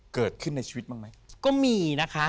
เกิดขึ้นในชีวิตบ้างไหมก็มีนะคะ